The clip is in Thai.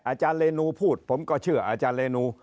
อาจารย์เรนูพูดผมก็เชื่ออาจารย์เรนู